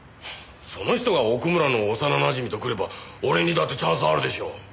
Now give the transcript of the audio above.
その人が奥村の幼なじみとくれば俺にだってチャンスあるでしょう。